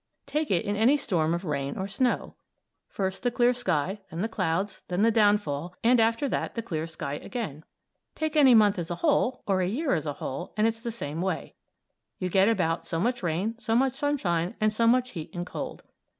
Take it in any storm of rain or snow; first the clear sky, then the clouds, then the downfall, and after that the clear sky again. Take any month as a whole, or a year as a whole, and it's the same way; you get about so much rain, so much sunshine, so much heat and cold.